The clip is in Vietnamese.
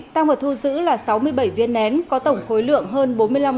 tăng vật thu giữ là sáu mươi bảy viên nén có tổng khối lượng hơn bốn mươi năm